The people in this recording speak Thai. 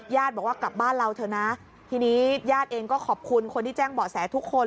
บอกว่ากลับบ้านเราเถอะนะทีนี้ญาติเองก็ขอบคุณคนที่แจ้งเบาะแสทุกคน